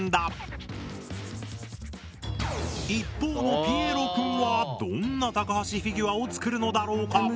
一方のピエロくんはどんな高橋フィギュアを作るのだろうか？